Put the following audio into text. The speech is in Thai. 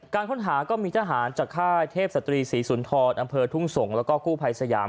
การค้นหาก็มีทหารจากค่ายเทพศตรีศรีสุนทรอำเภอทุ่งสงศ์แล้วก็กู้ภัยสยาม